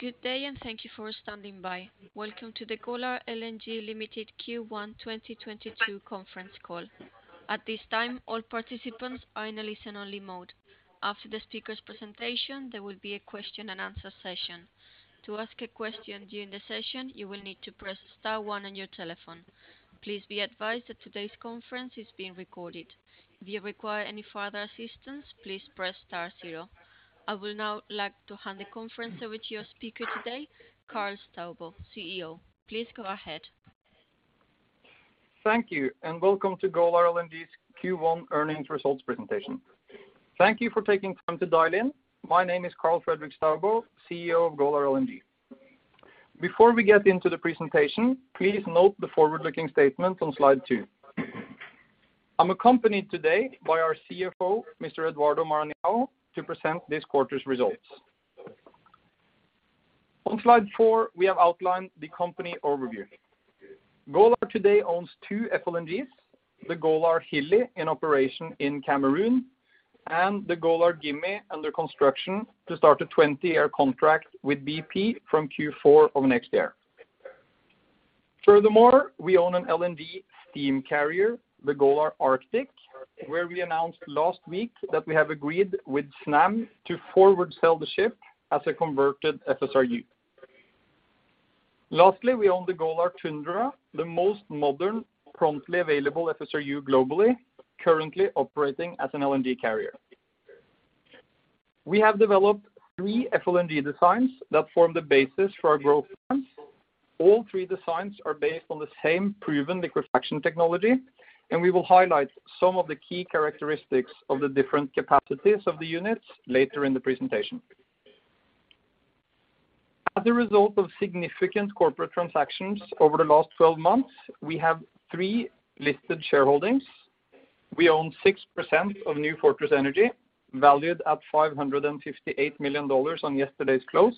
Good day and thank you for standing by. Welcome to the Golar LNG Limited Q1 2022 conference call. At this time, all participants are in a listen-only mode. After the speaker's presentation, there will be a question and answer session. To ask a question during the session, you will need to press star one on your telephone. Please be advised that today's conference is being recorded. If you require any further assistance, please press star zero. I will now like to hand the conference over to your speaker today, Karl Fredrik Staubo, CEO. Please go ahead. Thank you, and welcome to Golar LNG's Q1 earnings results presentation. Thank you for taking time to dial in. My name is Karl Fredrik Staubo, CEO of Golar LNG. Before we get into the presentation, please note the forward-looking statements on slide 2. I'm accompanied today by our CFO, Mr. Eduardo Maranhão, to present this quarter's results. On slide 4, we have outlined the company overview. Golar today owns two FLNGs, the Golar Hilli, in operation in Cameroon, and the Golar Gimi under construction to start a 20-year contract with BP from Q4 of next year. Furthermore, we own an LNG steam carrier, the Golar Arctic, where we announced last week that we have agreed with Snam to forward sell the ship as a converted FSRU. Lastly, we own the Golar Tundra, the most modern, promptly available FSRU globally, currently operating as an LNG carrier. We have developed three FLNG designs that form the basis for our growth plans. All three designs are based on the same proven liquefaction technology, and we will highlight some of the key characteristics of the different capacities of the units later in the presentation. As a result of significant corporate transactions over the last 12 months, we have three listed shareholdings. We own 6% of New Fortress Energy, valued at $558 million on yesterday's close.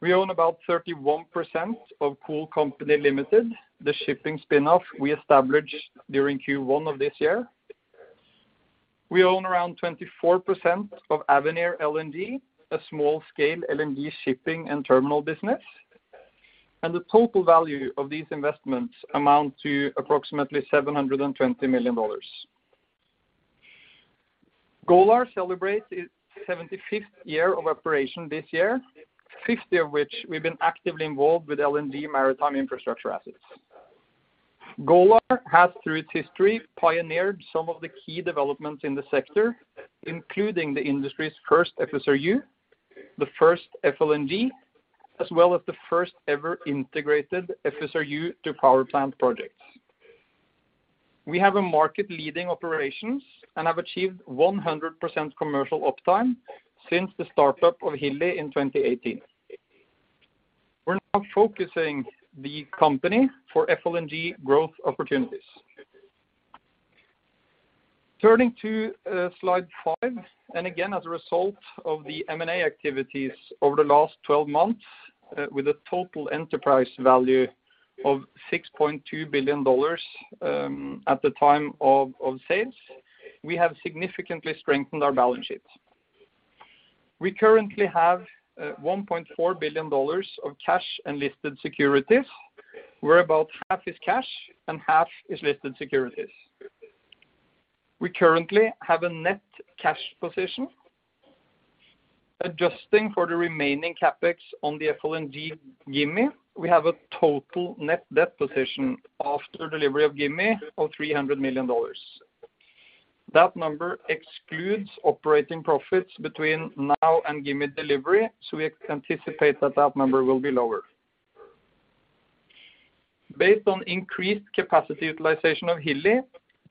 We own about 31% of Cool Company Ltd., the shipping spin-off we established during Q1 of this year. We own around 24% of Avenir LNG, a small-scale LNG shipping and terminal business. The total value of these investments amount to approximately $720 million. Golar celebrates its 75th year of operation this year, 50 of which we've been actively involved with LNG maritime infrastructure assets. Golar has, through its history, pioneered some of the key developments in the sector, including the industry's first FSRU, the first FLNG, as well as the first ever integrated FSRU to power plant projects. We have a market-leading operations and have achieved 100% commercial uptime since the startup of Hilli in 2018. We're now focusing the company for FLNG growth opportunities. Turning to slide five, and again, as a result of the M&A activities over the last 12 months, with a total enterprise value of $6.2 billion at the time of sales, we have significantly strengthened our balance sheet. We currently have $1.4 billion of cash and listed securities, where about half is cash and half is listed securities. We currently have a net cash position. Adjusting for the remaining CapEx on the FLNG Gimi, we have a total net debt position after delivery of Gimi of $300 million. That number excludes operating profits between now and Gimi delivery, so we anticipate that that number will be lower. Based on increased capacity utilization of Hilli,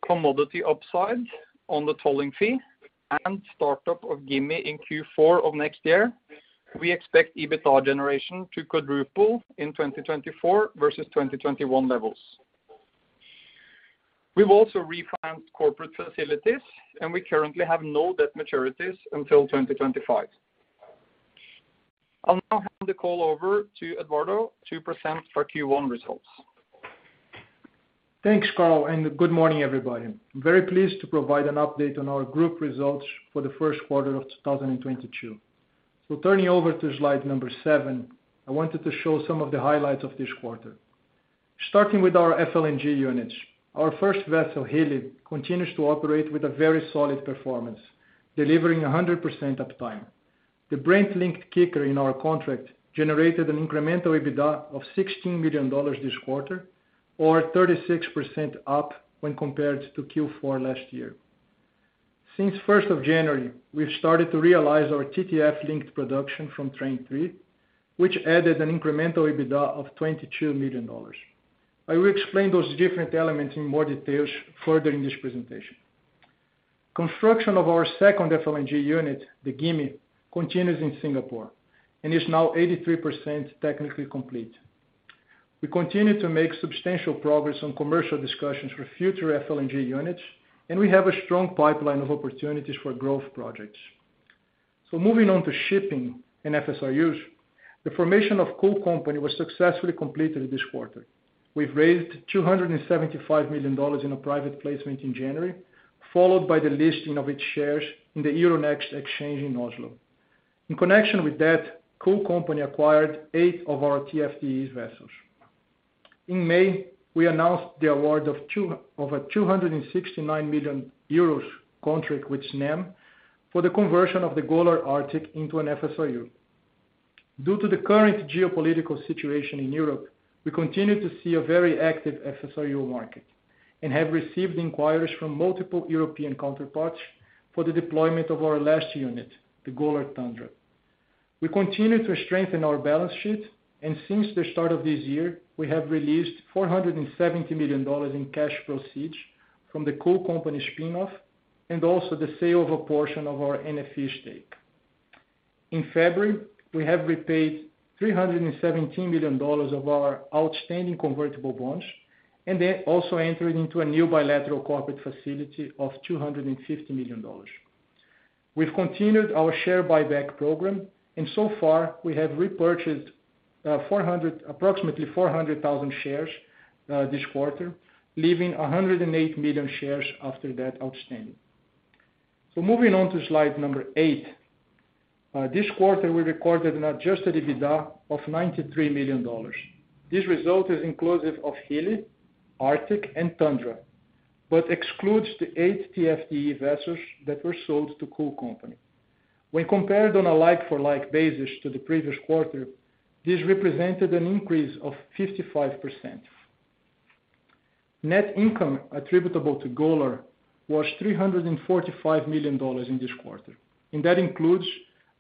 commodity upside on the tolling fee, and startup of Gimi in Q4 of next year, we expect EBITDA generation to quadruple in 2024 versus 2021 levels. We've also refinanced corporate facilities, and we currently have no debt maturities until 2025. I'll now hand the call over to Eduardo to present our Q1 results. Thanks, Karl, and good morning, everybody. I'm very pleased to provide an update on our group results for the first quarter of 2022. Turning over to slide number 7, I wanted to show some of the highlights of this quarter. Starting with our FLNG units, our first vessel, Hilli, continues to operate with a very solid performance, delivering 100% uptime. The Brent-linked kicker in our contract generated an incremental EBITDA of $16 million this quarter or 36% up when compared to Q4 last year. Since January 1, we've started to realize our TTF-linked production from Train 3, which added an incremental EBITDA of $22 million. I will explain those different elements in more details further in this presentation. Construction of our second FLNG unit, the Gimi, continues in Singapore and is now 83% technically complete. We continue to make substantial progress on commercial discussions for future FLNG units, and we have a strong pipeline of opportunities for growth projects. Moving on to shipping and FSRUs. The formation of Cool Company was successfully completed this quarter. We've raised $275 million in a private placement in January, followed by the listing of its shares in the Euronext exchange in Oslo. In connection with that, Cool Company acquired eight of our TFDE vessels. In May, we announced the award of a 269 million euros contract with Snam for the conversion of the Golar Arctic into an FSRU. Due to the current geopolitical situation in Europe, we continue to see a very active FSRU market, and have received inquiries from multiple European counterparts for the deployment of our last unit, the Golar Tundra. We continue to strengthen our balance sheet, and since the start of this year, we have released $470 million in cash proceeds from the Cool Company spin-off, and also the sale of a portion of our NFE stake. In February, we have repaid $317 million of our outstanding convertible bonds, and then also entered into a new bilateral corporate facility of $250 million. We've continued our share buyback program, and so far we have repurchased approximately 400,000 shares this quarter, leaving 108 million shares outstanding. Moving on to slide 8. This quarter, we recorded an adjusted EBITDA of $93 million. This result is inclusive of Hilli, Arctic, and Tundra, but excludes the eight TFDE vessels that were sold to Cool Company. When compared on a like-for-like basis to the previous quarter, this represented an increase of 55%. Net income attributable to Golar was $345 million in this quarter, and that includes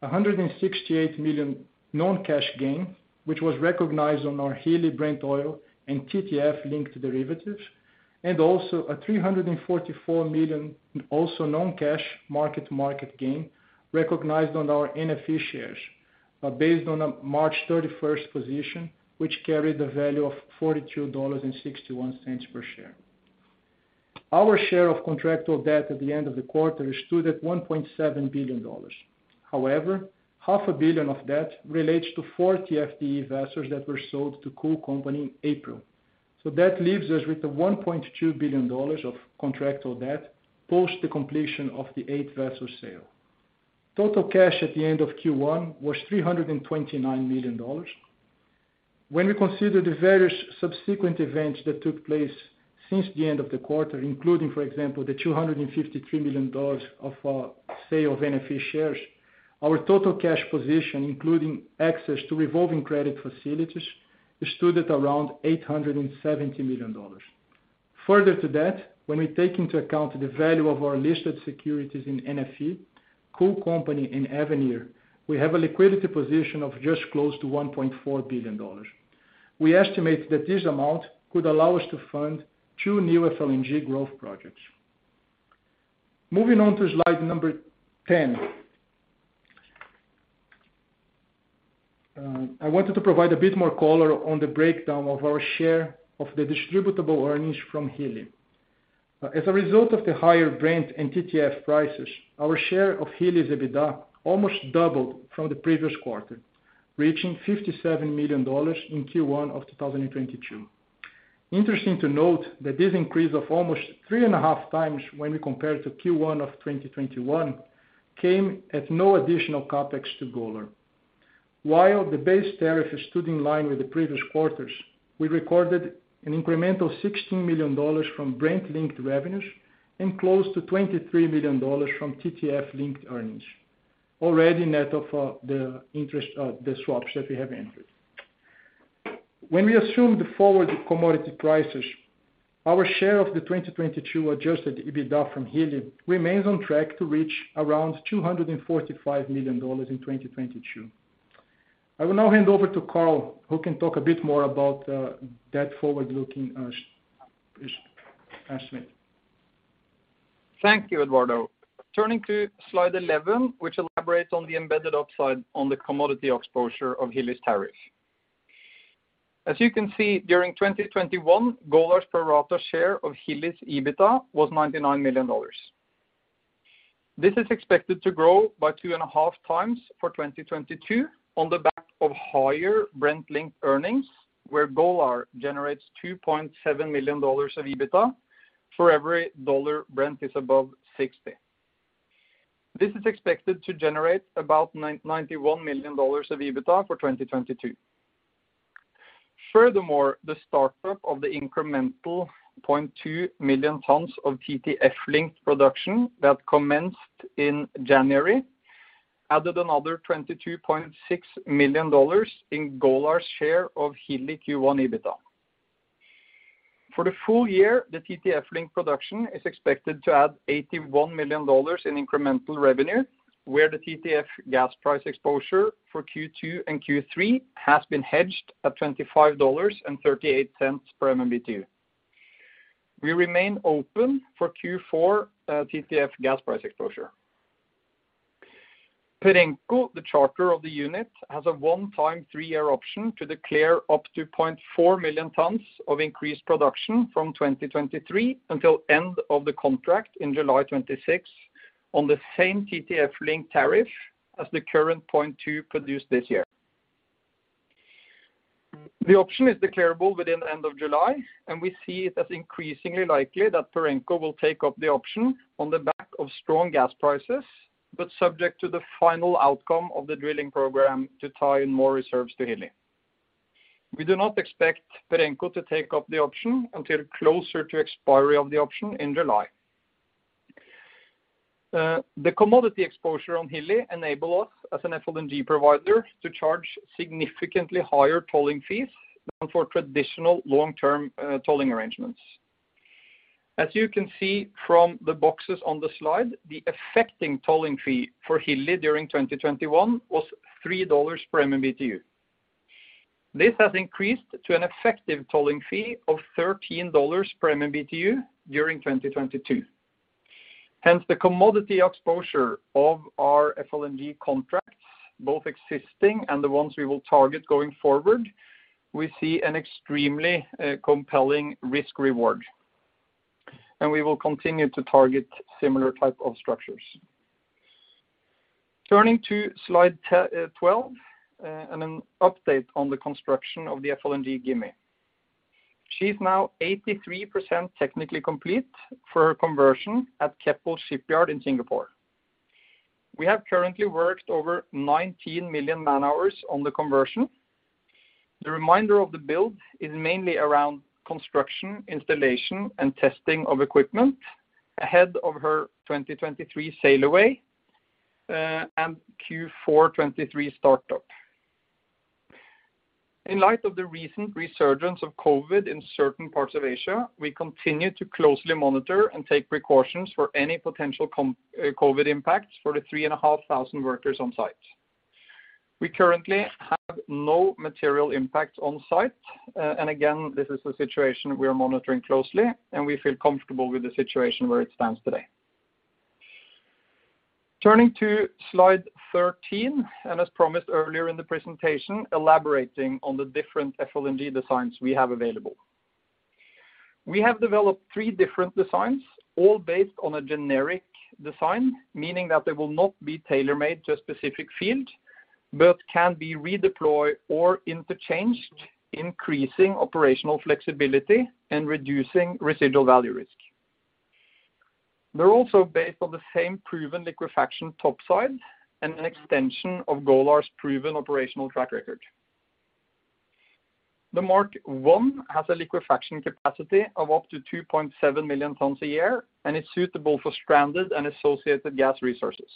a $168 million non-cash gain, which was recognized on our Hilli Brent oil and TTF linked derivative, and also a $344 million, also non-cash market gain recognized on our NFE shares, based on a March 31 position, which carried the value of $42.61 per share. Our share of contractual debt at the end of the quarter stood at $1.7 billion. However, half a billion of that relates to four TFDE vessels that were sold to Cool Company in April. That leaves us with a $1.2 billion of contractual debt post the completion of the eight-vessel sale. Total cash at the end of Q1 was $329 million. When we consider the various subsequent events that took place since the end of the quarter, including, for example, the $253 million of our sale of NFE shares, our total cash position, including access to revolving credit facilities, stood at around $870 million. Further to that, when we take into account the value of our listed securities in NFE, Cool Company and Avenir LNG, we have a liquidity position of just close to $1.4 billion. We estimate that this amount could allow us to fund two new FLNG growth projects. Moving on to slide number 10. I wanted to provide a bit more color on the breakdown of our share of the distributable earnings from Hilli. As a result of the higher Brent and TTF prices, our share of Hilli's EBITDA almost doubled from the previous quarter, reaching $57 million in Q1 of 2022. Interesting to note that this increase of almost 3.5x when we compare to Q1 of 2021 came at no additional CapEx to Golar. While the base tariff stood in line with the previous quarters, we recorded an incremental $16 million from Brent-linked revenues and close to $23 million from TTF-linked earnings, already net of the interest of the swaps that we have entered. When we assume the forward commodity prices, our share of the 2022 adjusted EBITDA from Hilli remains on track to reach around $245 million in 2022. I will now hand over to Karl, who can talk a bit more about that forward-looking estimate. Thank you, Eduardo. Turning to slide 11, which elaborates on the embedded upside on the commodity exposure of Hilli's tariff. As you can see, during 2021, Golar's pro rata share of Hilli's EBITDA was $99 million. This is expected to grow by 2.5 times for 2022 on the back of higher Brent-linked earnings, where Golar generates $2.7 million of EBITDA for every dollar Brent is above 60. This is expected to generate about $91 million of EBITDA for 2022. Furthermore, the startup of the incremental 0.2 million tons of TTF-linked production that commenced in January added another $22.6 million in Golar's share of Hilli Q1 EBITDA. For the full year, the TTF-linked production is expected to add $81 million in incremental revenue, where the TTF gas price exposure for Q2 and Q3 has been hedged at $25.38 per MMBtu. We remain open for Q4 TTF gas price exposure. Perenco, the charter of the unit, has a one-time three-year option to declare up to 0.4 million tons of increased production from 2023 until end of the contract in July 2026 on the same TTF-linked tariff as the current 0.2 produced this year. The option is declarable by the end of July, and we see it as increasingly likely that Perenco will take up the option on the back of strong gas prices, but subject to the final outcome of the drilling program to tie in more reserves to Hilli. We do not expect Perenco to take up the option until closer to expiry of the option in July. The commodity exposure on Hilli enable us as an FLNG provider to charge significantly higher tolling fees than for traditional long-term tolling arrangements. As you can see from the boxes on the slide, the effective tolling fee for Hilli during 2021 was $3 per MMBtu. This has increased to an effective tolling fee of $13 per MMBtu during 2022. Hence, the commodity exposure of our FLNG contracts, both existing and the ones we will target going forward, we see an extremely compelling risk-reward. We will continue to target similar type of structures. Turning to slide twelve and an update on the construction of the FLNG Gimi. She is now 83% technically complete for her conversion at Keppel Shipyard in Singapore. We have currently worked over 19 million man-hours on the conversion. The remainder of the build is mainly around construction, installation, and testing of equipment ahead of her 2023 sail away, and Q4 2023 startup. In light of the recent resurgence of COVID in certain parts of Asia, we continue to closely monitor and take precautions for any potential COVID impacts for the 3,500 workers on site. We currently have no material impact on site. Again, this is a situation we are monitoring closely, and we feel comfortable with the situation where it stands today. Turning to slide 13, as promised earlier in the presentation, elaborating on the different FLNG designs we have available. We have developed three different designs, all based on a generic design, meaning that they will not be tailor-made to a specific field, but can be redeployed or interchanged, increasing operational flexibility and reducing residual value risk. They're also based on the same proven liquefaction topside and an extension of Golar's proven operational track record. The Mark I has a liquefaction capacity of up to 2.7 million tons a year and is suitable for stranded and associated gas resources.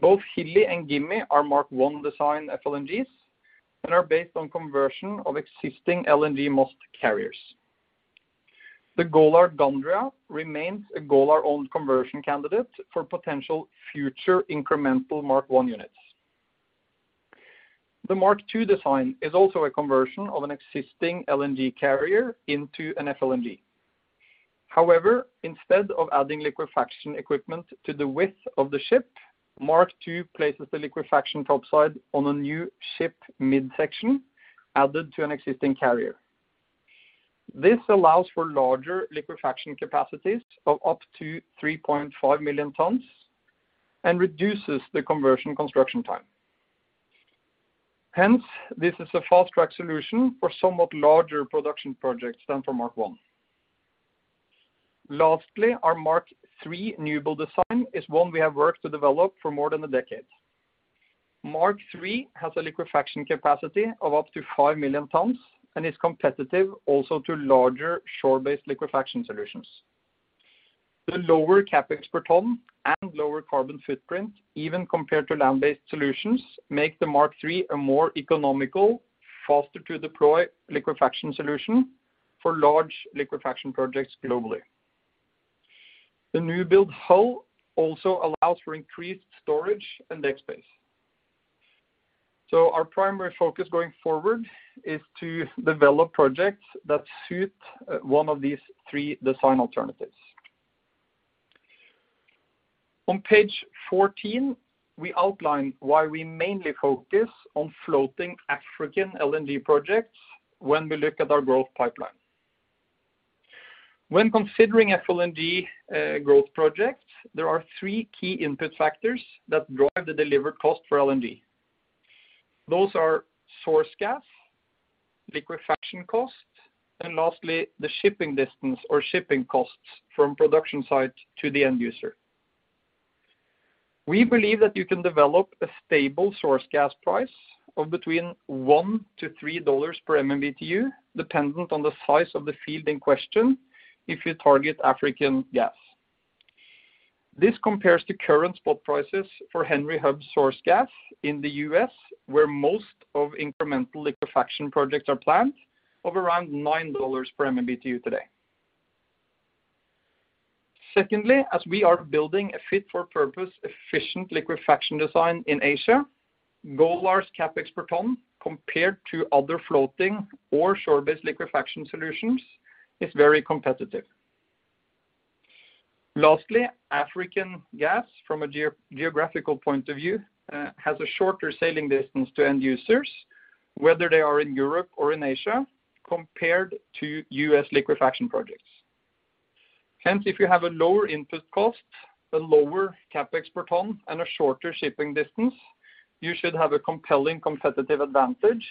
Both Hilli and Gimi are Mark I design FLNGs and are based on conversion of existing LNG Moss carriers. The Golar Gandria remains a Golar-owned conversion candidate for potential future incremental Mark I units. The Mark II design is also a conversion of an existing LNG carrier into an FLNG. However, instead of adding liquefaction equipment to the width of the ship, Mark II places the liquefaction topside on a new ship midsection added to an existing carrier. This allows for larger liquefaction capacities of up to 3.5 million tons and reduces the conversion construction time. Hence, this is a fast-track solution for somewhat larger production projects than for Mark I. Lastly, our Mark III newbuild design is one we have worked to develop for more than a decade. Mark III has a liquefaction capacity of up to 5 million tons and is competitive also to larger shore-based liquefaction solutions. The lower CapEx per ton and lower carbon footprint, even compared to land-based solutions, make the Mark III a more economical, faster-to-deploy liquefaction solution for large liquefaction projects globally. The newbuild hull also allows for increased storage and deck space. Our primary focus going forward is to develop projects that suit one of these three design alternatives. On page 14, we outline why we mainly focus on floating African LNG projects when we look at our growth pipeline. When considering FLNG growth projects, there are three key input factors that drive the delivered cost for LNG. Those are source gas, liquefaction cost, and lastly, the shipping distance or shipping costs from production site to the end user. We believe that you can develop a stable source gas price of between $1-$3 per MMBtu, dependent on the size of the field in question, if you target African gas. This compares to current spot prices for Henry Hub source gas in the U.S., where most of incremental liquefaction projects are planned of around $9 per MMBtu today. Secondly, as we are building a fit-for-purpose efficient liquefaction design in Asia, Golar's CapEx per ton compared to other floating or shore-based liquefaction solutions is very competitive. Lastly, African gas, from a geo-geographical point of view, has a shorter sailing distance to end users, whether they are in Europe or in Asia, compared to U.S. liquefaction projects. Hence, if you have a lower input cost, a lower CapEx per ton, and a shorter shipping distance, you should have a compelling competitive advantage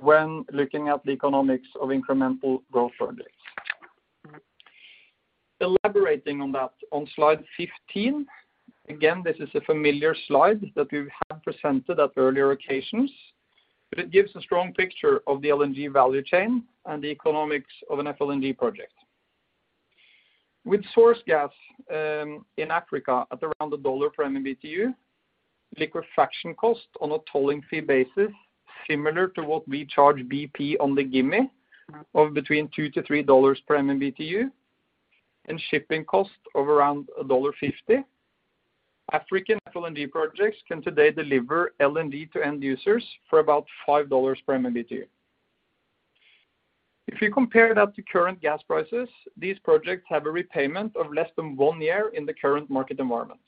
when looking at the economics of incremental growth projects. Elaborating on that on slide 15. Again, this is a familiar slide that we have presented at earlier occasions, but it gives a strong picture of the LNG value chain and the economics of an FLNG project. With source gas in Africa at around $1 per MMBtu, liquefaction cost on a tolling fee basis similar to what we charge BP on the Gimi of between $2-$3 per MMBtu and shipping costs of around $1.50. African FLNG projects can today deliver LNG to end users for about $5 per MMBtu. If you compare that to current gas prices, these projects have a repayment of less than one year in the current market environment.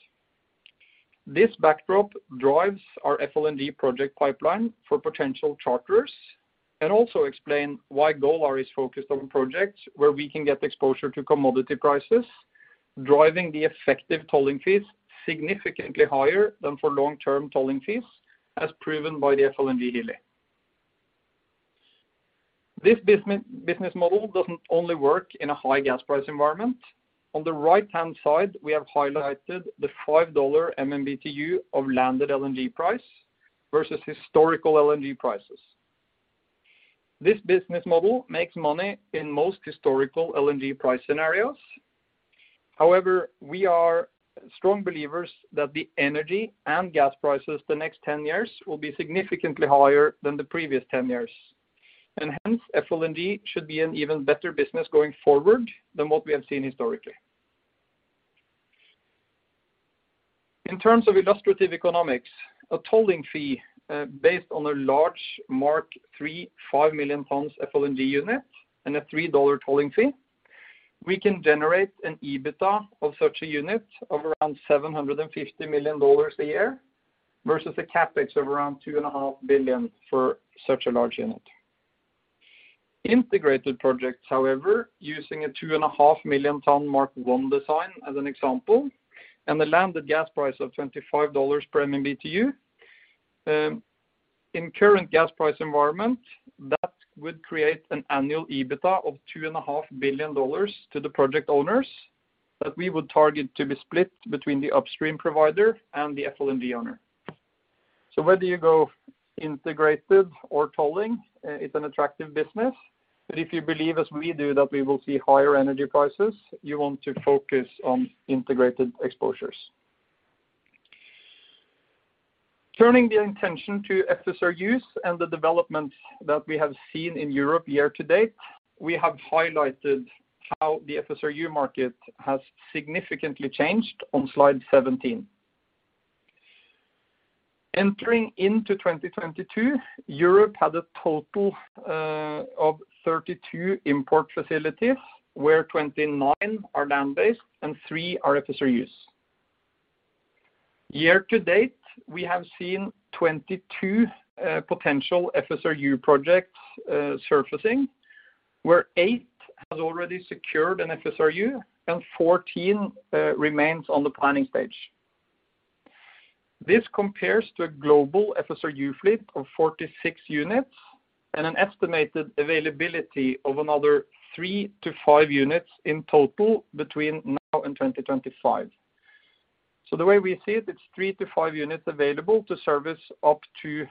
This backdrop drives our FLNG project pipeline for potential charters and also explain why Golar is focused on projects where we can get exposure to commodity prices, driving the effective tolling fees significantly higher than for long-term tolling fees, as proven by the FLNG Hilli. This business model doesn't only work in a high gas price environment. On the right-hand side, we have highlighted the $5 MMBtu landed LNG price versus historical LNG prices. This business model makes money in most historical LNG price scenarios. However, we are strong believers that the energy and gas prices the next 10 years will be significantly higher than the previous 10 years. Hence, FLNG should be an even better business going forward than what we have seen historically. In terms of illustrative economics, a tolling fee based on a large Mark III 5 million tons FLNG unit and a $3 tolling fee. We can generate an EBITDA of such a unit of around $750 million a year versus a CapEx of around $2.5 billion for such a large unit. Integrated projects, however, using a 2.5 million ton Mark I design as an example, and a landed gas price of $25 per MMBtu. In current gas price environment, that would create an annual EBITDA of $2.5 billion to the project owners that we would target to be split between the upstream provider and the FLNG owner. Whether you go integrated or tolling, it's an attractive business. If you believe as we do that we will see higher energy prices, you want to focus on integrated exposures. Turning the attention to FSRUs and the developments that we have seen in Europe year to date, we have highlighted how the FSRU market has significantly changed on slide 17. Entering 2022, Europe had a total of 32 import facilities, where 29 are land-based and three are FSRUs. Year to date, we have seen 22 potential FSRU projects surfacing, where eight has already secured an FSRU and 14 remains on the planning stage. This compares to a global FSRU fleet of 46 units and an estimated availability of another three to five units in total between now and 2025. The way we see it's three to five units available to service up to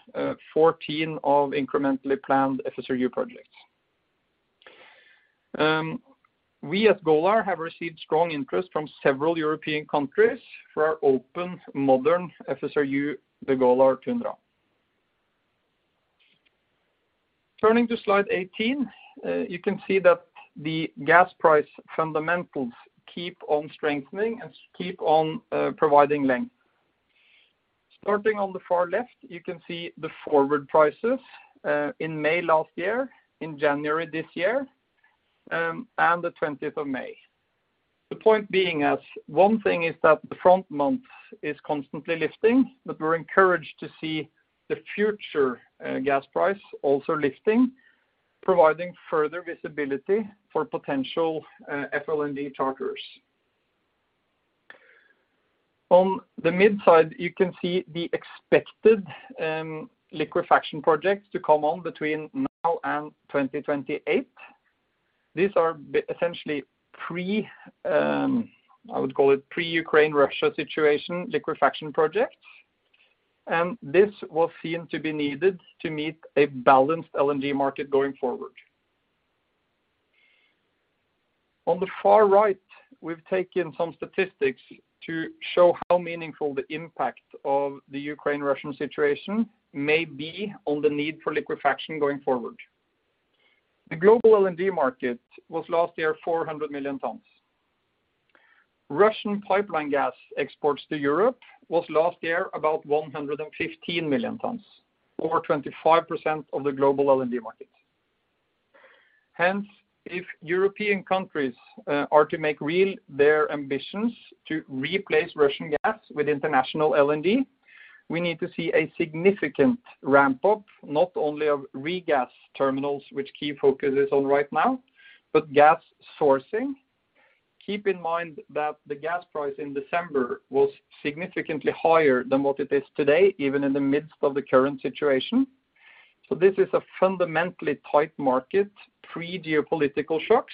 14 of incrementally planned FSRU projects. We at Golar have received strong interest from several European countries for our open modern FSRU, the Golar Tundra. Turning to slide 18, you can see that the gas price fundamentals keep on strengthening and keep on providing lift. Starting on the far left, you can see the forward prices in May last year, in January this year, and the 20th of May. The point being as one thing is that the front month is constantly lifting, but we're encouraged to see the future gas price also lifting, providing further visibility for potential FLNG charters. On the mid-side, you can see the expected liquefaction projects to come on between now and 2028. These are essentially pre-Ukraine-Russia situation liquefaction projects. This will seem to be needed to meet a balanced LNG market going forward. On the far right, we've taken some statistics to show how meaningful the impact of the Ukraine-Russia situation may be on the need for liquefaction going forward. The global LNG market was last year 400 million tons. Russian pipeline gas exports to Europe was last year about 115 million tons, or 25% of the global LNG market. Hence, if European countries are to make real their ambitions to replace Russian gas with international LNG, we need to see a significant ramp up, not only of regas terminals, which key focus is on right now, but gas sourcing. Keep in mind that the gas price in December was significantly higher than what it is today, even in the midst of the current situation. So this is a fundamentally tight market, pre-geopolitical shocks.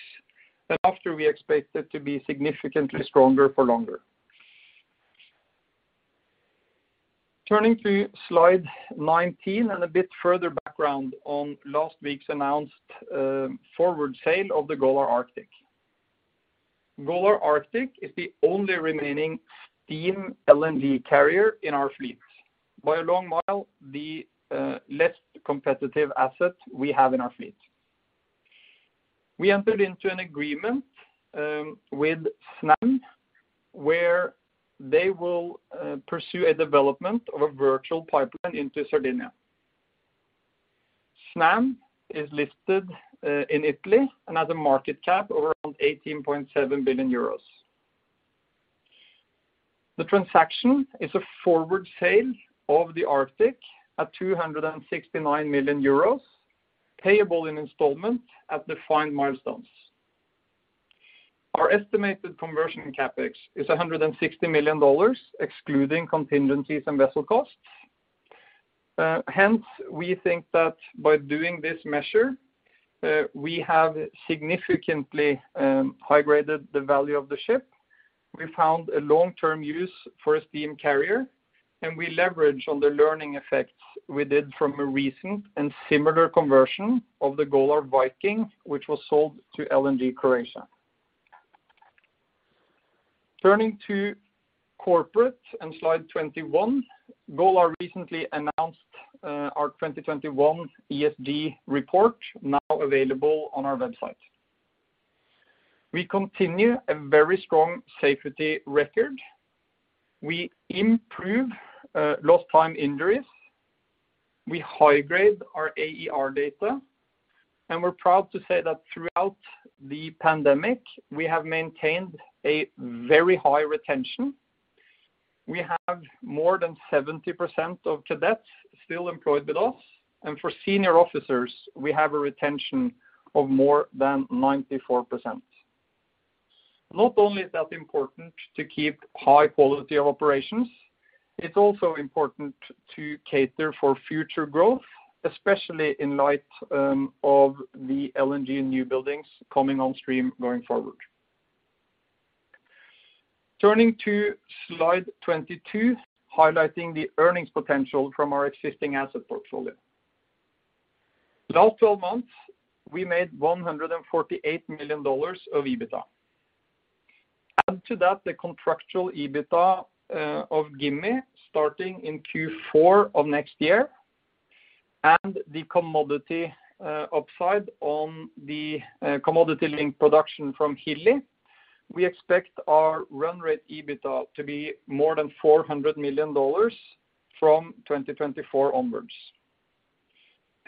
After we expect it to be significantly stronger for longer. Turning to slide 19 and a bit further background on last week's announced, forward sale of the Golar Arctic. Golar Arctic is the only remaining steam LNG carrier in our fleet. By a long mile, the less competitive asset we have in our fleet. We entered into an agreement with Snam, where they will pursue a development of a virtual pipeline into Sardinia. Snam is listed in Italy and has a market cap of around 18.7 billion euros. The transaction is a forward sale of the Golar Arctic at 269 million euros payable in installments at defined milestones. Our estimated conversion CapEx is $160 million excluding contingencies and vessel costs. Hence, we think that by doing this measure, we have significantly high-graded the value of the ship. We found a long-term use for a steam carrier, and we leverage on the learning effects we did from a recent and similar conversion of the Golar Viking, which was sold to LNG Hrvatska. Turning to corporate and slide 21. Golar recently announced our 2021 ESG report now available on our website. We continue a very strong safety record. We improve lost time injuries. We high-grade our AER data. We're proud to say that throughout the pandemic, we have maintained a very high retention. We have more than 70% of cadets still employed with us. For senior officers, we have a retention of more than 94%. Not only is that important to keep high quality of operations, it's also important to cater for future growth, especially in light of the LNG new buildings coming on stream going forward. Turning to slide 22, highlighting the earnings potential from our existing asset portfolio. Last 12 months, we made $148 million of EBITDA. Add to that the contractual EBITDA of Gimi starting in Q4 of next year and the commodity upside on the commodity-linked production from Hilli. We expect our run rate EBITDA to be more than $400 million from 2024 onwards.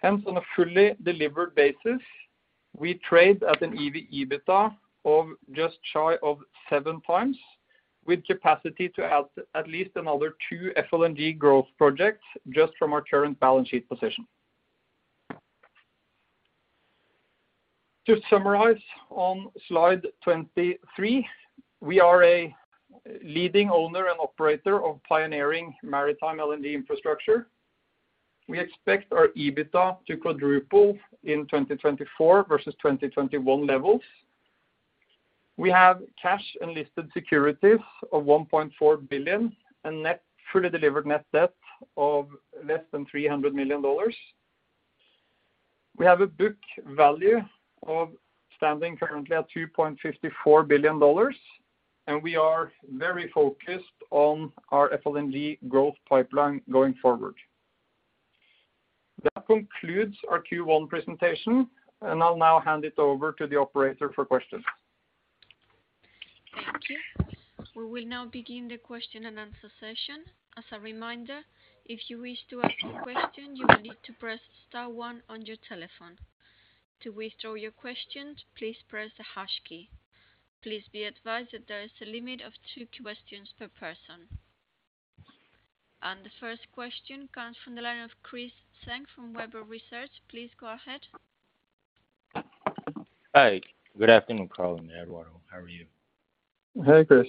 Hence, on a fully delivered basis, we trade at an EV/EBITDA of just shy of 7x with capacity to add at least another two FLNG growth projects just from our current balance sheet position. To summarize on slide 23, we are a leading owner and operator of pioneering maritime LNG infrastructure. We expect our EBITDA to quadruple in 2024 versus 2021 levels. We have cash and listed securities of $1.4 billion and fully delivered net debt of less than $300 million. We have a book value outstanding currently at $2.54 billion, and we are very focused on our FLNG growth pipeline going forward. That concludes our Q1 presentation, and I'll now hand it over to the operator for questions. Thank you. We will now begin the question and answer session. As a reminder, if you wish to ask a question, you will need to press star one on your telephone. To withdraw your questions, please press the hash key. Please be advised that there is a limit of two questions per person. The first question comes from the line of Chris Tsung from Webber Research. Please go ahead. Hi. Good afternoon, Karl and Eduardo. How are you? Hey, Chris.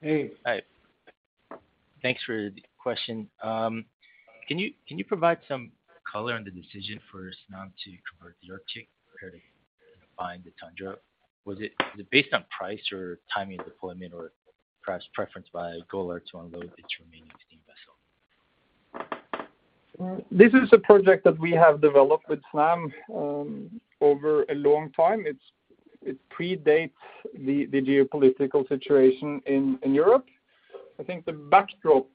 Hey. Hi. Thanks for the question. Can you provide some color on the decision for Snam to convert the Golar Arctic rather than buying the Golar Tundra? Was it based on price or timing deployment or perhaps preference by Golar to unload its remaining steam vessel? This is a project that we have developed with Snam over a long time. It predates the geopolitical situation in Europe. I think the backdrop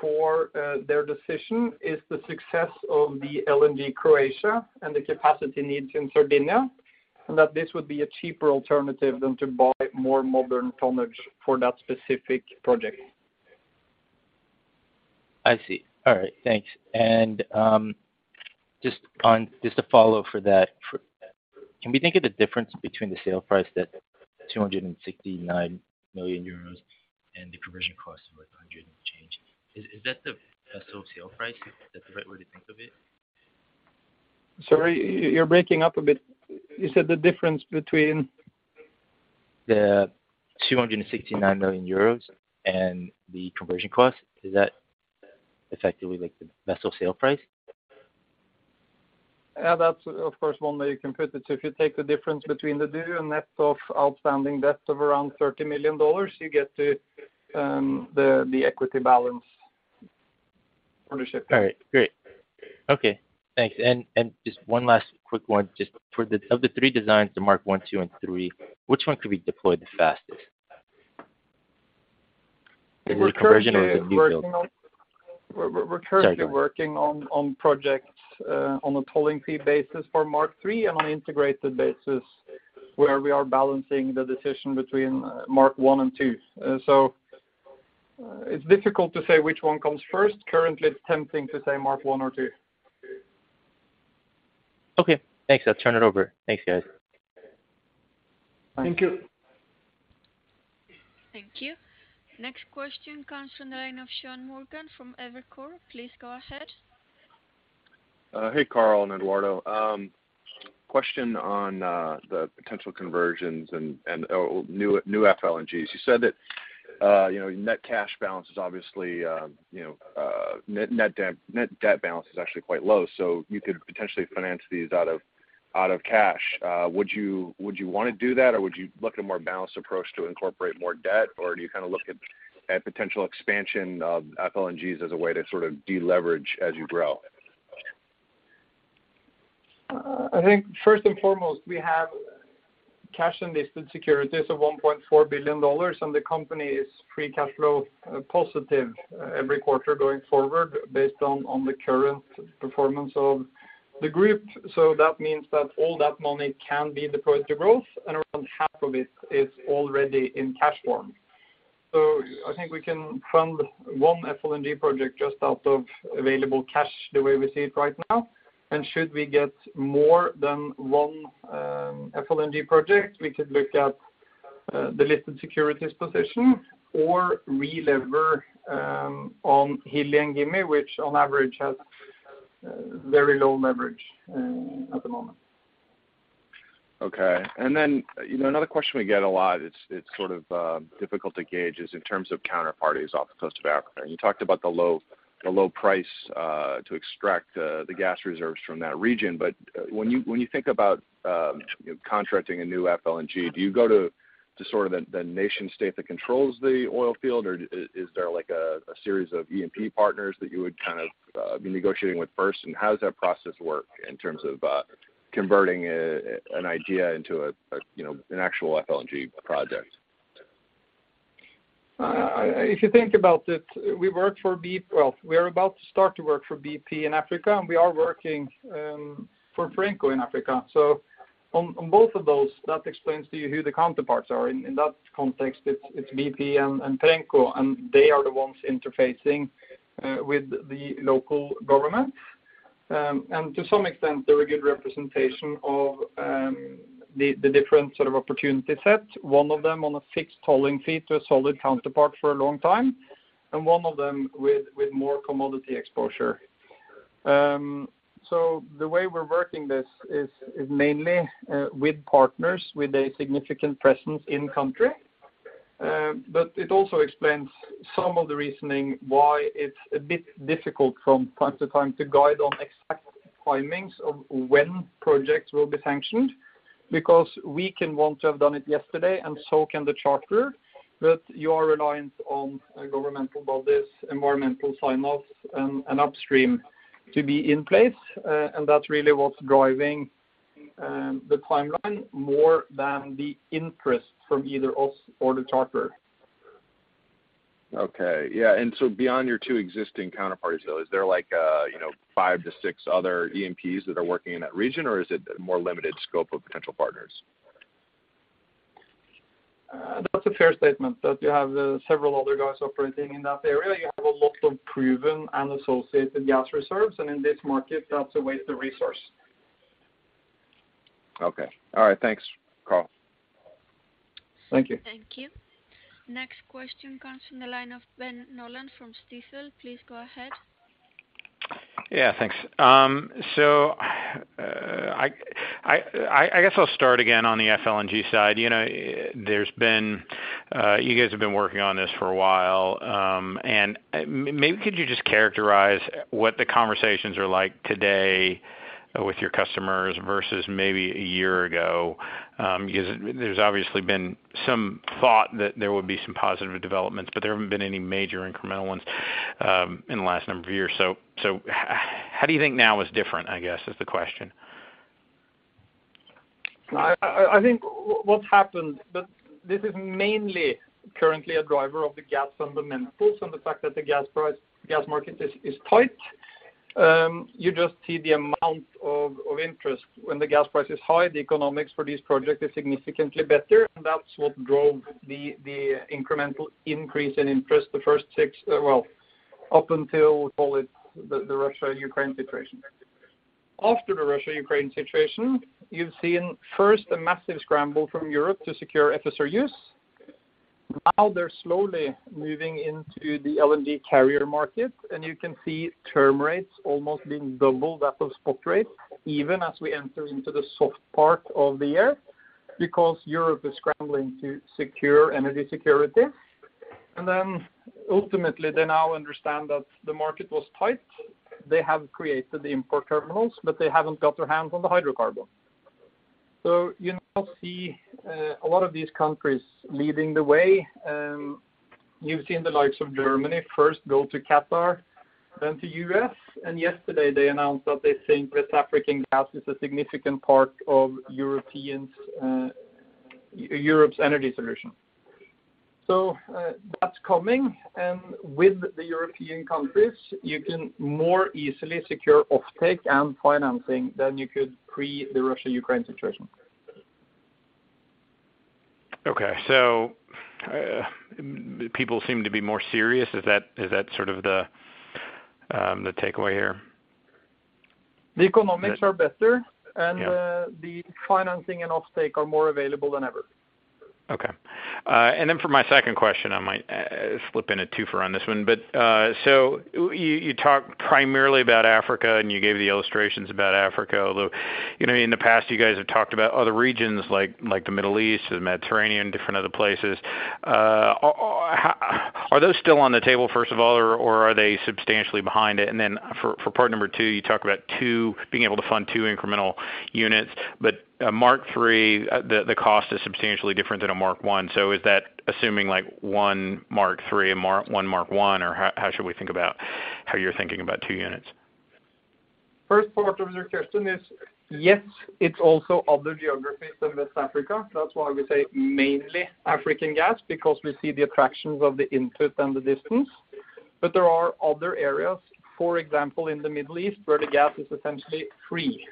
for their decision is the success of the LNG Hrvatska and the capacity needs in Sardinia, and that this would be a cheaper alternative than to buy more modern tonnage for that specific project. I see. All right. Thanks. Just a follow-up for that. Can we think of the difference between the sale price, that 269 million euros and the conversion cost of 100 and change? Is that the vessel sale price? Is that the right way to think of it? Sorry, you're breaking up a bit. You said the difference between- 269 million euros and the conversion cost, is that effectively like the vessel sale price? Yeah, that's of course one way you can put it. If you take the difference between the two and net off outstanding debt of around $30 million, you get the equity balance ownership. All right, great. Okay, thanks. Just one last quick one. Just for the of the three designs, the Mark I, II, and III, which one could be deployed the fastest? We're currently working on. Sorry. We're currently working on projects on a tolling fee basis for Mark III on an integrated basis, where we are balancing the decision between Mark I and II. It's difficult to say which one comes first. Currently, it's tempting to say Mark I or II. Okay, thanks. I'll turn it over. Thanks, guys. Thank you. Thank you. Next question comes from the line of Sean Morgan from Evercore. Please go ahead. Hey, Karl and Eduardo. Question on the potential conversions and new FLNGs. You said that, you know, net cash balance is obviously, you know, net debt balance is actually quite low, so you could potentially finance these out of cash. Would you wanna do that, or would you look at a more balanced approach to incorporate more debt? Or do you kinda look at potential expansion of FLNGs as a way to sort of deleverage as you grow? I think first and foremost, we have cash and listed securities of $1.4 billion, and the company is free cash flow positive every quarter going forward based on the current performance of the group. That means that all that money can be deployed to growth, and around half of it is already in cash form. I think we can fund one FLNG project just out of available cash the way we see it right now. Should we get more than one FLNG project, we could look at the listed securities position or re-lever on Hilli and Gimi, which on average has very low leverage at the moment. Okay. You know, another question we get a lot, it's sort of difficult to gauge, is in terms of counterparties off the coast of Africa. You talked about the low price to extract the gas reserves from that region. But when you think about contracting a new FLNG, do you go to sort of the nation-state that controls the oil field, or is there like a series of E&P partners that you would kind of be negotiating with first? And how does that process work in terms of converting an idea into a you know, an actual FLNG project? If you think about it, we work for BP. Well, we are about to start to work for BP in Africa, and we are working for Perenco in Africa. On both of those, that explains to you who the counterparts are. In that context, it's BP and Perenco, and they are the ones interfacing with the local government. To some extent, they're a good representation of the different sort of opportunity set. One of them on a fixed tolling fee to a solid counterpart for a long time, and one of them with more commodity exposure. The way we're working this is mainly with partners with a significant presence in country. It also explains some of the reasoning why it's a bit difficult from time to time to guide on exact timings of when projects will be sanctioned because we can want to have done it yesterday and so can the charter, but you are reliant on governmental bodies, environmental sign-offs and upstream to be in place. That's really what's driving the timeline more than the interest from either us or the charter. Okay. Yeah. Beyond your two existing counterparties, though, is there like a, you know, five or six other E&Ps that are working in that region? Or is it a more limited scope of potential partners? That's a fair statement, that you have several other guys operating in that area. You have a lot of proven and associated gas reserves, and in this market, that's a waste of resource. Okay. All right. Thanks, Karl. Thank you. Thank you. Next question comes from the line of Ben Nolan from Stifel. Please go ahead. Yeah, thanks. I guess I'll start again on the FLNG side. You know, there's been, you guys have been working on this for a while. Maybe could you just characterize what the conversations are like today with your customers versus maybe a year ago? Because there's obviously been some thought that there would be some positive developments, but there haven't been any major incremental ones in the last number of years. How do you think now is different, I guess, is the question. I think what happened, but this is mainly currently a driver of the gas fundamentals and the fact that the gas price, gas market is tight. You just see the amount of interest. When the gas price is high, the economics for this project is significantly better, and that's what drove the incremental increase in interest the first six, well, up until we call it the Russia-Ukraine situation. After the Russia-Ukraine situation, you've seen first a massive scramble from Europe to secure FSRU. Now they're slowly moving into the LNG carrier market, and you can see term rates almost being double that of spot rates even as we enter into the soft part of the year because Europe is scrambling to secure energy security. Ultimately, they now understand that the market was tight. They have created the import terminals, but they haven't got their hands on the hydrocarbon. You now see a lot of these countries leading the way. You've seen the likes of Germany first go to Qatar, then to U.S., and yesterday they announced that they think West African gas is a significant part of Europe's energy solution. That's coming, and with the European countries, you can more easily secure offtake and financing than you could pre the Russia-Ukraine situation. Okay. People seem to be more serious. Is that sort of the takeaway here? The economics are better. Yeah. The financing and offtake are more available than ever. Okay. For my second question, I might slip in a twofer on this one. You talked primarily about Africa, and you gave the illustrations about Africa, although, you know, in the past, you guys have talked about other regions like the Middle East, the Mediterranean, different other places. How are those still on the table, first of all, or are they substantially behind it? For part number two, you talk about two, being able to fund two incremental units, but a Mark III, the cost is substantially different than a Mark I, so is that assuming, like, one Mark III and one Mark I, or how should we think about how you're thinking about two units? First part of your question is, yes, it's also other geographies than West Africa. That's why we say mainly African gas, because we see the attractions of the input and the distance. There are other areas, for example, in the Middle East, where the gas is essentially free.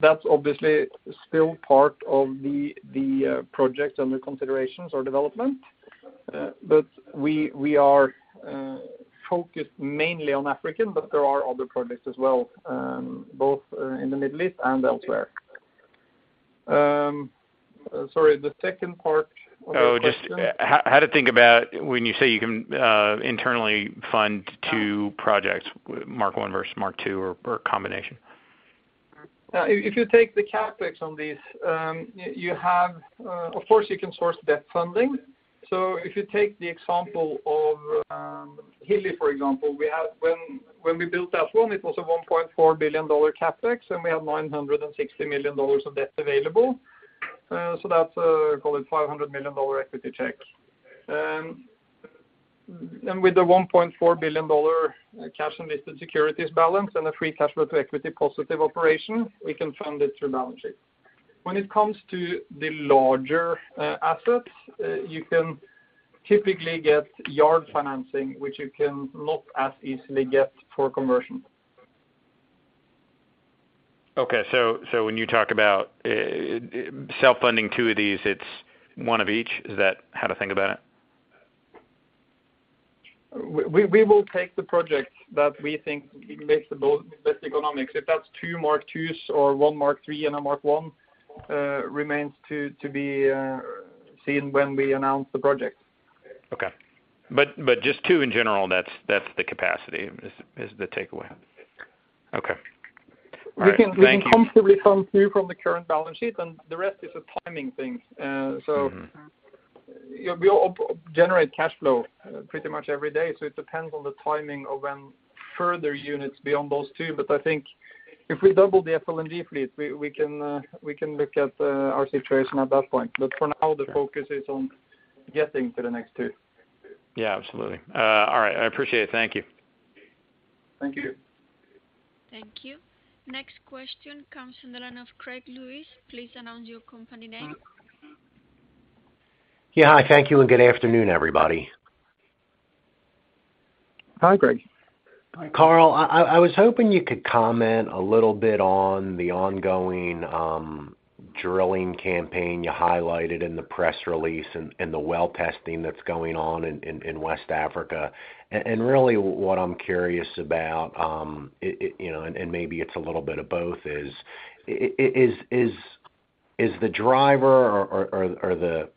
That's obviously still part of the project under considerations or development. We are focused mainly on African, but there are other projects as well, both in the Middle East and elsewhere. Sorry, the second part of your question? Oh, just how to think about when you say you can internally fund two projects, Mark I versus Mark II or a combination. If you take the CapEx on these, of course, you can source debt funding. If you take the example of Hilli, for example, we had, when we built that one, it was a $1.4 billion CapEx, and we had $960 million of debt available. That's, call it $500 million equity check. With the $1.4 billion cash and listed securities balance and a free cash flow to equity positive operation, we can fund it through balance sheet. When it comes to the larger assets, you can typically get yard financing, which you can not as easily get for conversion. Okay. When you talk about self-funding two of these, it's one of each. Is that how to think about it? We will take the project that we think makes the best economics. If that's two Mark IIs or one Mark III and a Mark I, remains to be seen when we announce the project. Okay. Just two in general, that's the capacity is the takeaway. Okay. All right. Thank you. We can comfortably fund two from the current balance sheet, and the rest is a timing thing. Mm-hmm. We all generate cash flow pretty much every day, so it depends on the timing of when further units beyond those two. I think if we double the FLNG fleet, we can look at our situation at that point. For now, the focus is on getting to the next two. Yeah, absolutely. All right. I appreciate it. Thank you. Thank you. Thank you. Next question comes from the line of Greg Wasikowski. Please announce your company name. Yeah. Hi, thank you, and good afternoon, everybody. Hi, Greg. Karl, I was hoping you could comment a little bit on the ongoing drilling campaign you highlighted in the press release and the well testing that's going on in West Africa. Really what I'm curious about, you know, maybe it's a little bit of both is the driver or the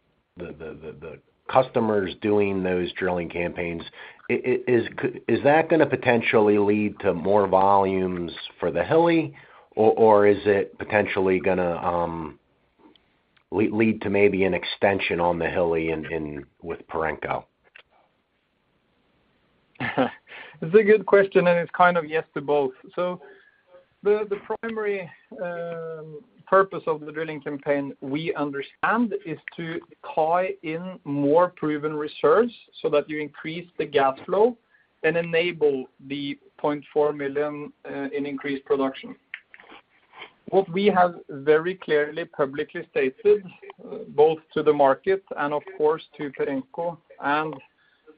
customers doing those drilling campaigns, is that gonna potentially lead to more volumes for the Hilli or is it potentially gonna lead to maybe an extension on the Hilli in with Perenco? It's a good question, and it's kind of yes to both. The primary purpose of the drilling campaign, we understand, is to tie in more proven reserves so that you increase the gas flow and enable the 0.4 million in increased production. What we have very clearly publicly stated both to the market and of course to Perenco and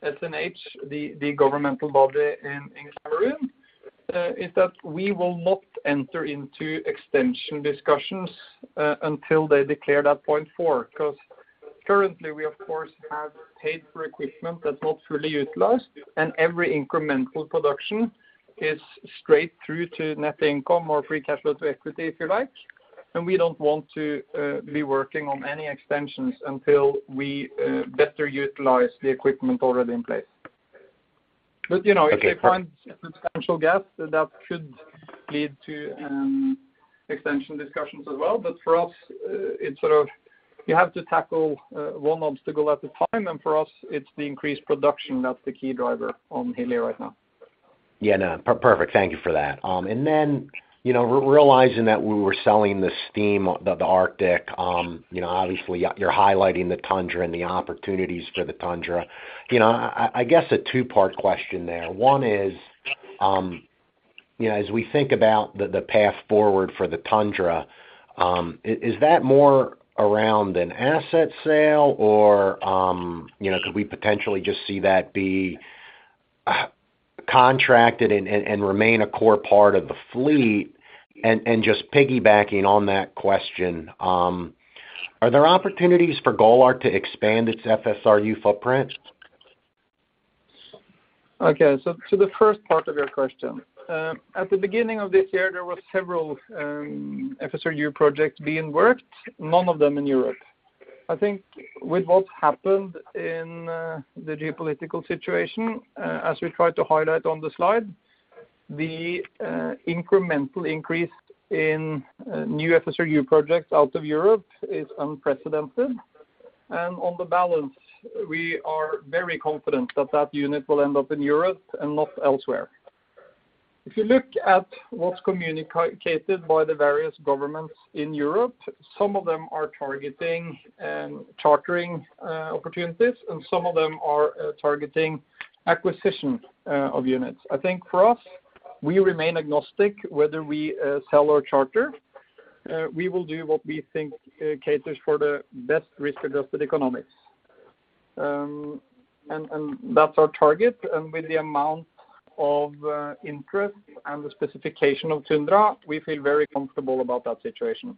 SNH, the governmental body in Cameroon, is that we will not enter into extension discussions until they declare that 0.4 'cause currently, we of course have paid for equipment that's not fully utilized, and every incremental production is straight through to net income or free cash flow to equity, if you like. We don't want to be working on any extensions until we better utilize the equipment already in place. You know, if we find a potential gap, that should lead to extension discussions as well. For us, it's sort of you have to tackle one obstacle at a time, and for us, it's the increased production that's the key driver on Hilli right now. Yeah, no, perfect. Thank you for that. You know, realizing that we were selling the Arctic, you know, obviously you're highlighting the Tundra and the opportunities for the Tundra. You know, I guess a two-part question there. One is, you know, as we think about the path forward for the Tundra, is that more around an asset sale or, you know, could we potentially just see that be contracted and remain a core part of the fleet? Just piggybacking on that question, are there opportunities for Golar to expand its FSRU footprint? Okay. To the first part of your question. At the beginning of this year, there were several FSRU projects being worked, none of them in Europe. I think with what happened in the geopolitical situation, as we tried to highlight on the slide, the incremental increase in new FSRU projects out of Europe is unprecedented. On the balance, we are very confident that that unit will end up in Europe and not elsewhere. If you look at what's communicated by the various governments in Europe, some of them are targeting chartering opportunities, and some of them are targeting acquisition of units. I think for us, we remain agnostic whether we sell or charter. We will do what we think caters for the best risk-adjusted economics. And that's our target. With the amount of interest and the specification of Tundra, we feel very comfortable about that situation.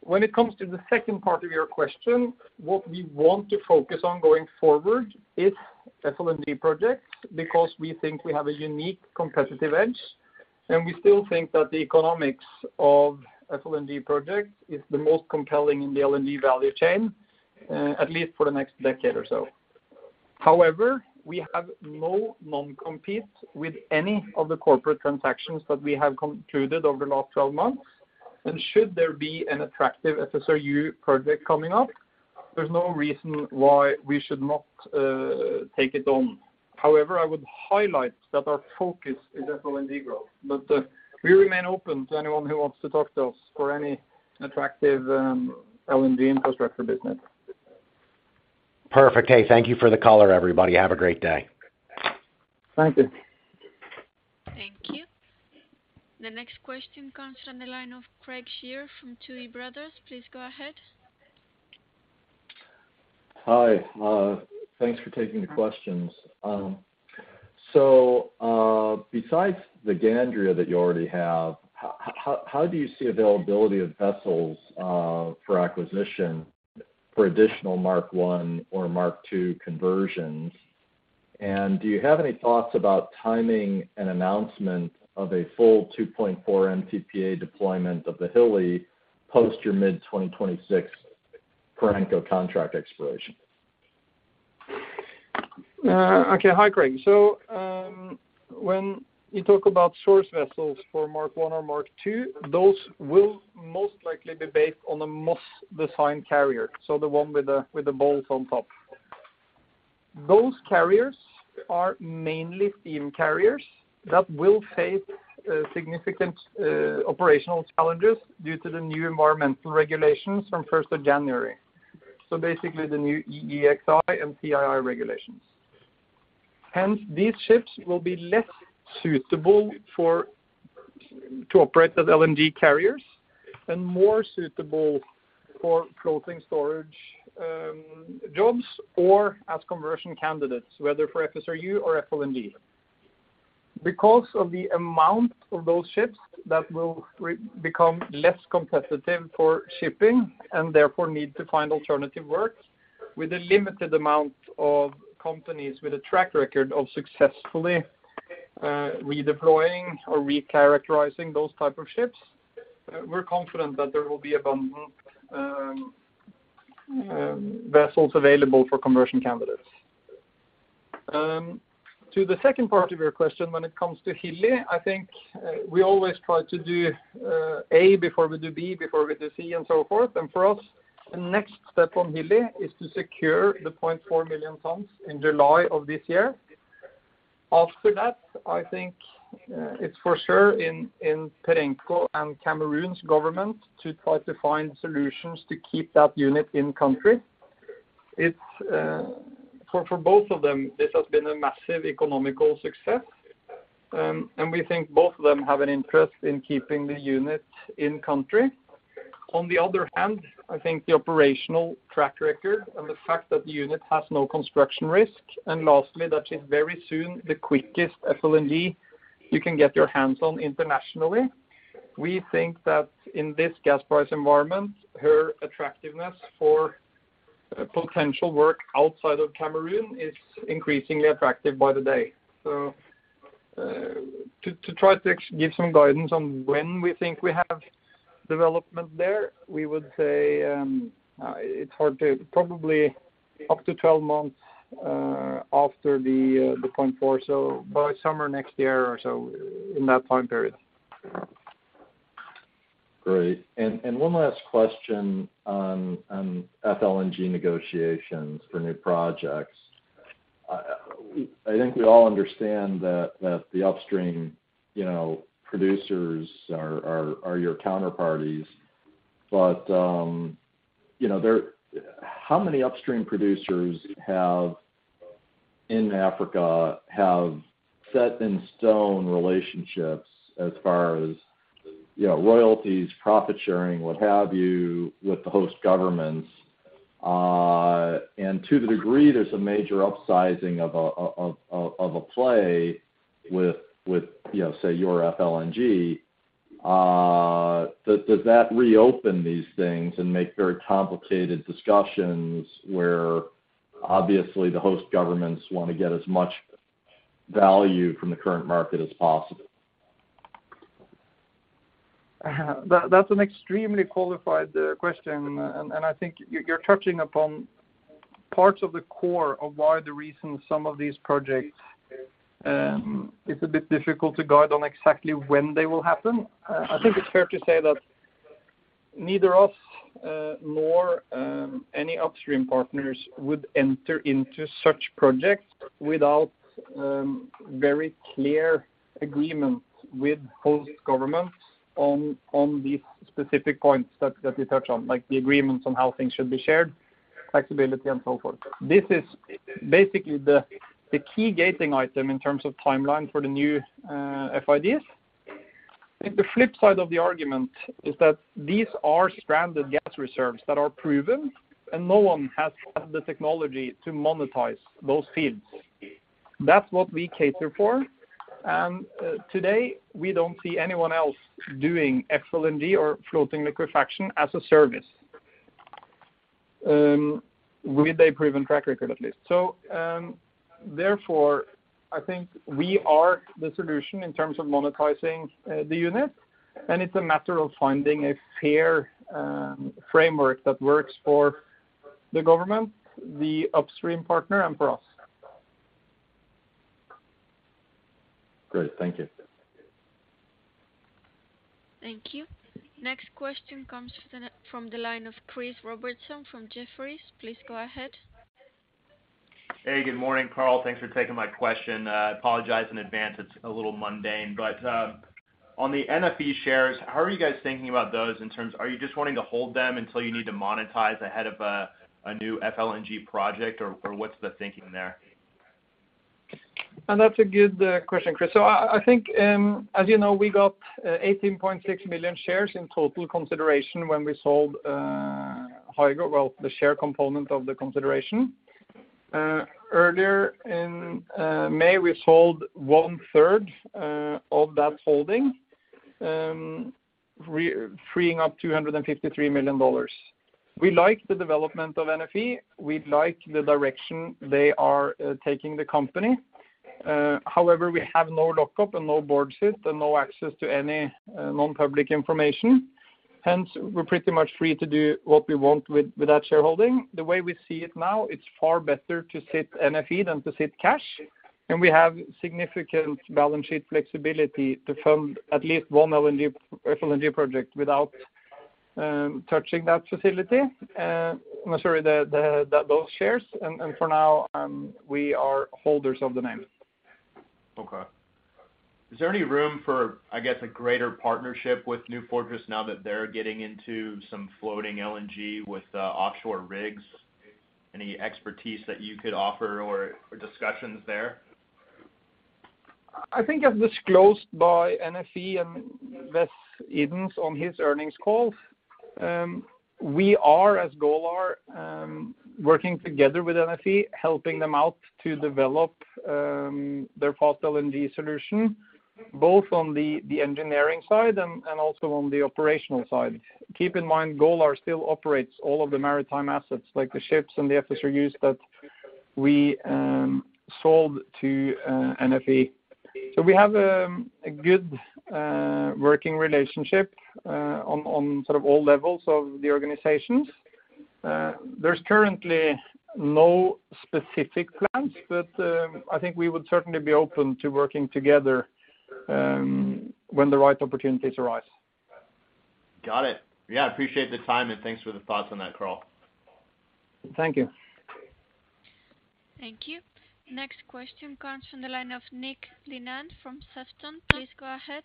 When it comes to the second part of your question, what we want to focus on going forward is FLNG projects because we think we have a unique competitive edge, and we still think that the economics of FLNG projects is the most compelling in the LNG value chain, at least for the next decade or so. However, we have no non-compete with any of the corporate transactions that we have concluded over the last 12 months. Should there be an attractive FSRU project coming up, there's no reason why we should not take it on. However, I would highlight that our focus is FLNG growth. We remain open to anyone who wants to talk to us for any attractive LNG infrastructure business. Perfect. Hey, thank you for the color, everybody. Have a great day. Thank you. Thank you. The next question comes from the line of Craig Shere from Tuohy Brothers. Please go ahead. Hi. Thanks for taking the questions. So, besides the Golar Gandria that you already have, how do you see availability of vessels for acquisition for additional Mark I or Mark II conversions? Do you have any thoughts about timing an announcement of a full 2.4 MTPA deployment of the Hilli post your mid-2026 Perenco contract expiration? Okay. Hi, Craig Shere. When you talk about source vessels for Mark I or Mark II, those will most likely be based on a Moss-designed carrier, so the one with the balls on top. Those carriers are mainly steam carriers that will face significant operational challenges due to the new environmental regulations from first of January, so basically the new EEXI and CII regulations. Hence, these ships will be less suitable to operate as LNG carriers and more suitable for floating storage jobs or as conversion candidates, whether for FSRU or FLNG. Because of the amount of those ships that will become less competitive for shipping and therefore need to find alternative work with a limited amount of companies with a track record of successfully redeploying or recharacterizing those type of ships, we're confident that there will be abundant vessels available for conversion candidates. To the second part of your question, when it comes to Hilli, I think we always try to do A before we do B, before we do C, and so forth. For us, the next step on Hilli is to secure the 0.4 million tons in July of this year. After that, I think it's for sure in Perenco and Cameroon's government to try to find solutions to keep that unit in country. For both of them, this has been a massive economic success, and we think both of them have an interest in keeping the unit in country. On the other hand, I think the operational track record and the fact that the unit has no construction risk, and lastly, that it's very soon the quickest FLNG you can get your hands on internationally. We think that in this gas price environment, her attractiveness for potential work outside of Cameroon is increasingly attractive by the day. To try to give some guidance on when we think we have development there, we would say, it's hard to probably up to 12 months after the point forward, so by summer next year or so, in that time period. Great. One last question on FLNG negotiations for new projects. I think we all understand that the upstream, you know, producers are your counterparties. You know, how many upstream producers in Africa have set in stone relationships as far as, you know, royalties, profit sharing, what have you, with the host governments? To the degree there's a major upsizing of a play with, you know, say, your FLNG, does that reopen these things and make very complicated discussions where obviously the host governments wanna get as much value from the current market as possible? That's an extremely qualified question, and I think you're touching upon parts of the core of why the reason some of these projects, it's a bit difficult to guide on exactly when they will happen. I think it's fair to say that neither Golar nor any upstream partners would enter into such projects without very clear agreement with host governments on the specific points that you touch on, like the agreements on how things should be shared, flexibility and so forth. This is basically the key gating item in terms of timeline for the new FIDs. I think the flip side of the argument is that these are stranded gas reserves that are proven, and no one has the technology to monetize those fields. That's what we cater for. Today, we don't see anyone else doing FLNG or floating liquefaction as a service, with a proven track record at least. Therefore, I think we are the solution in terms of monetizing the unit, and it's a matter of finding a fair framework that works for the government, the upstream partner, and for us. Great. Thank you. Thank you. Next question comes from the line of Chris Robertson from Jefferies. Please go ahead. Hey, good morning, Karl. Thanks for taking my question. I apologize in advance, it's a little mundane. On the NFE shares, how are you guys thinking about those in terms of. Are you just wanting to hold them until you need to monetize ahead of a new FLNG project, or what's the thinking there? That's a good question, Chris. I think, as you know, we got 18.6 million shares in total consideration when we sold Hygo, the share component of the consideration. Earlier in May, we sold one-third of that holding, freeing up $253 million. We like the development of NFE. We like the direction they are taking the company. However, we have no lockup and no board seat and no access to any non-public information. Hence, we're pretty much free to do what we want with that shareholding. The way we see it now, it's far better to sit NFE than to sit cash. We have significant balance sheet flexibility to fund at least one LNG, FLNG project without touching that facility. I'm sorry, those shares. For now, we are holders of the name. Okay. Is there any room for, I guess, a greater partnership with New Fortress now that they're getting into some floating LNG with offshore rigs? Any expertise that you could offer or discussions there? I think as disclosed by NFE and Wes Edens on his earnings call, we are, as Golar, working together with NFE, helping them out to develop their fast LNG solution, both on the engineering side and also on the operational side. Keep in mind, Golar still operates all of the maritime assets, like the ships and the FSRUs that we sold to NFE. We have a good working relationship on sort of all levels of the organizations. There's currently no specific plans, but I think we would certainly be open to working together when the right opportunities arise. Got it. Yeah, I appreciate the time, and thanks for the thoughts on that, Karl. Thank you. Thank you. Next question comes from the line of Nick Linnane from Sefton. Please go ahead.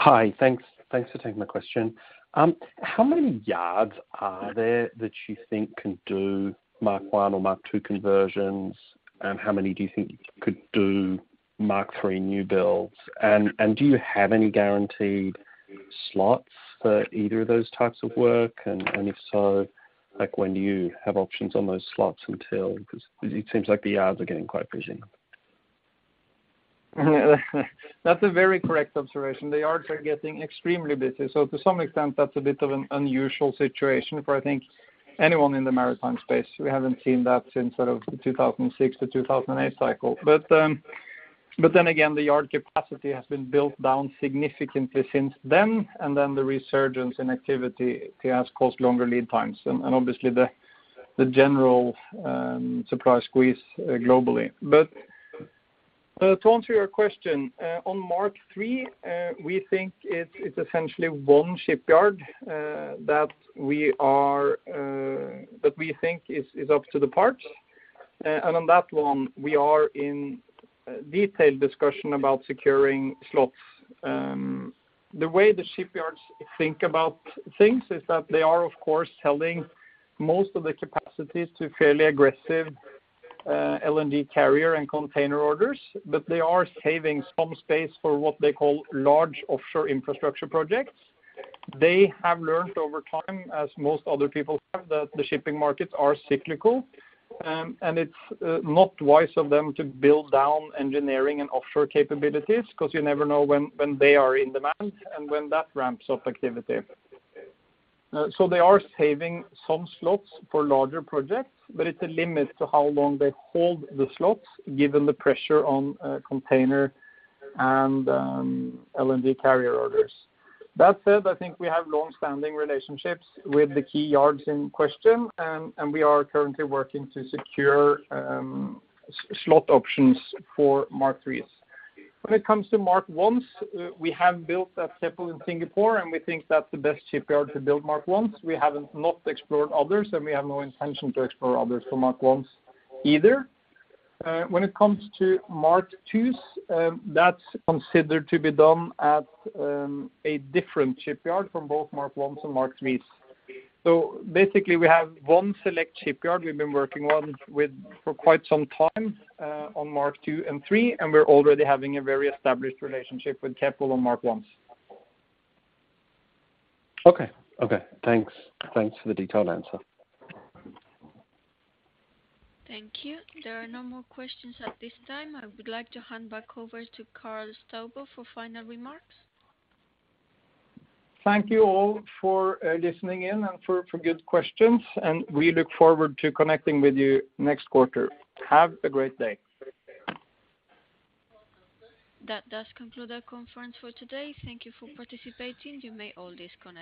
Hi. Thanks. Thanks for taking my question. How many yards are there that you think can do Mark I or Mark II conversions, and how many do you think could do Mark III new builds? Do you have any guaranteed Slots for either of those types of work and if so, like when do you have options on those slots until? Because it seems like the yards are getting quite busy. That's a very correct observation. The yards are getting extremely busy. To some extent, that's a bit of an unusual situation for, I think, anyone in the maritime space. We haven't seen that since sort of the 2006 to 2008 cycle. The yard capacity has been built down significantly since then, and the resurgence in activity has caused longer lead times and obviously the general supply squeeze globally. To answer your question on Mark III, we think it's essentially one shipyard that we think is up to the task. On that one, we are in detailed discussion about securing slots. The way the shipyards think about things is that they are, of course, selling most of the capacity to fairly aggressive, LNG carrier and container orders, but they are saving some space for what they call large offshore infrastructure projects. They have learned over time, as most other people have, that the shipping markets are cyclical, and it's not wise for them to wind down engineering and offshore capabilities 'cause you never know when they are in demand and when that ramps up activity. They are saving some slots for larger projects, but it's a limit to how long they hold the slots given the pressure on container and LNG carrier orders. That said, I think we have long-standing relationships with the key yards in question and we are currently working to secure slot options for Mark III. When it comes to Mark ones, we have built at Keppel in Singapore, and we think that's the best shipyard to build Mark one's. We haven't not explored others, and we have no intention to explore others for Mark one's either. When it comes to Mark two's, that's considered to be done at a different shipyard from both Mark one's and Mark three's. Basically, we have one select shipyard we've been working on with for quite some time on Mark II and III, and we're already having a very established relationship with Keppel on Mark one's. Okay. Okay, thanks. Thanks for the detailed answer. Thank you. There are no more questions at this time. I would like to hand back over to Karl Fredrik Staubo for final remarks. Thank you all for listening in and for good questions, and we look forward to connecting with you next quarter. Have a great day. That does conclude our conference for today. Thank you for participating. You may all disconnect.